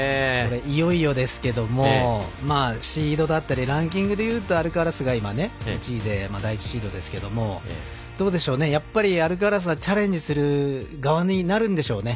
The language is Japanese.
いよいよですけどもシードだったりランキングでいうとアルカラスが、１位で第１シードですけどどうでしょうね、やっぱりアルカラスはチャレンジする側になるんでしょうね